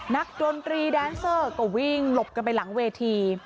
ดนตรีแดนเซอร์ก็วิ่งหลบกันไปหลังเวที